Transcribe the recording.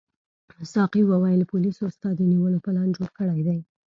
ساقي وویل پولیسو ستا د نیولو پلان جوړ کړی دی.